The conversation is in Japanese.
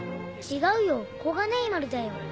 違うよ小金井丸だよ。